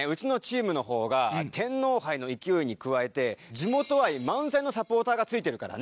地元愛満載のサポーターがついてるからね。